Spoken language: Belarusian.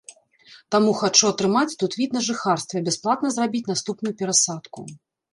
Таму хачу атрымаць тут від на жыхарства і бясплатна зрабіць наступную перасадку.